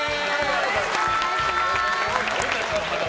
よろしくお願いします！